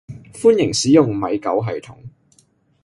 歡迎使用米狗系統